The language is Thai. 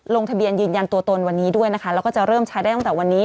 ลงทะเบียนยืนยันตัวตนวันนี้ด้วยนะคะแล้วก็จะเริ่มใช้ได้ตั้งแต่วันนี้